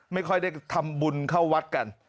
ไม่ค่อยได้ทำบุญเข้าวัดกัน